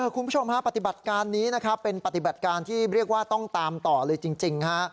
คุณผู้ชมฮะปฏิบัติการนี้นะครับเป็นปฏิบัติการที่เรียกว่าต้องตามต่อเลยจริงฮะ